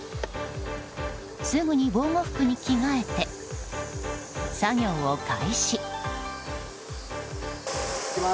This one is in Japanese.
すぐに防護服に着替えて作業を開始。